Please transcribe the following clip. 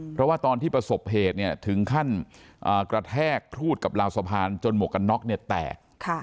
เพราะว่าตอนที่ประสบเหตุเนี่ยถึงขั้นกระแทกครูดกับราวสะพานจนหมวกกันน็อกเนี่ยแตก